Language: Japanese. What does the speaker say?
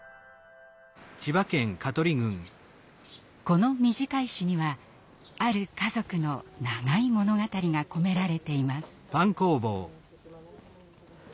この短い詩にはある家族の長い物語が込められています。